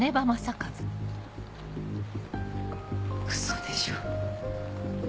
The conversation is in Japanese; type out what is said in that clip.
ウソでしょ。